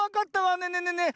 ねえねえねえねえ